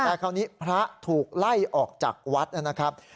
แต่คราวนี้พระถูกไล่ออกจากวัดนะครับ